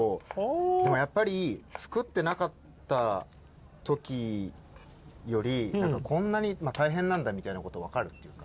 でもやっぱり作ってなかった時よりこんなに大変なんだみたいなこと分かるっていうか。